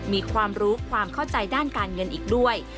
มีความรู้ความเข้าใจด้านการเงินอีกด้วย